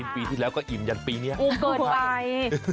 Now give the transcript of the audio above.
ปีที่แล้วก็อิ่มจันทร์ปีนี้นะค่ะอุ้มเกินไปอุ้มเกินไป